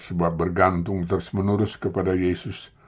sebab bergantung terus menerus kepada yesus